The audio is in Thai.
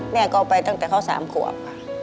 แม่ก็เอาไปตั้งแต่เข้าสามขวบ